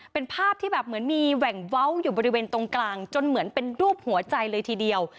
เป็นภาพที่แบบเหมือนมีแหว่งเว้าอยู่บริเวณตรงกลางจนเหมือนเป็นรูปหัวใจเลยทีเดียว